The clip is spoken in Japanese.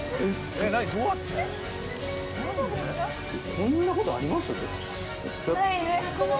こんなことあります。